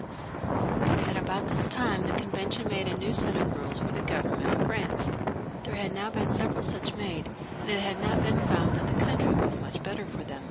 412 THE REVOLUTION. [CH. At about this time the Convention made a new set of rules for the government of France. There had now been several such made, and it had not been found that the country was much the better for them.